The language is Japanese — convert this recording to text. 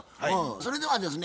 それではですね